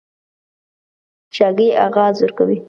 غر په کونه منډي ، شاگى اغاز ورکوي.